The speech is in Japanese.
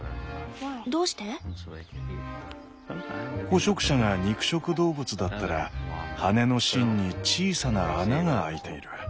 捕食者が肉食動物だったら羽根の芯に小さな穴が開いている。